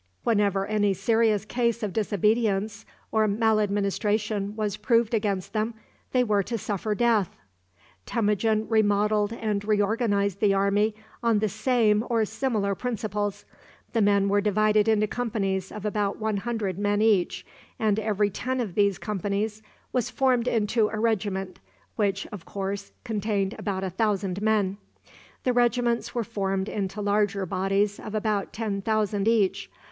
Whenever any serious case of disobedience or maladministration was proved against them they were to suffer death. Temujin remodeled and reorganized the army on the same or similar principles. The men were divided into companies of about one hundred men each, and every ten of these companies was formed into a regiment, which, of course, contained about a thousand men. The regiments were formed into larger bodies of about ten thousand each.